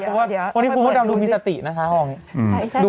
แต่ว่าพวกนี้คุณก็ดำดูมีสตินะคะห้องนี้